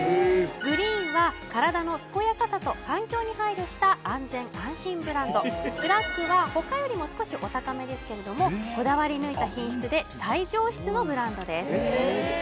グリーンは体の健やかさと環境に配慮した安全・安心ブランドブラックはほかよりも少しお高めですけれどもこだわり抜いた品質で最上質のブランドです